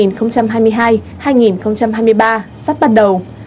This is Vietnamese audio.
năm học hai nghìn hai mươi hai hai nghìn hai mươi ba sắp bắt đầu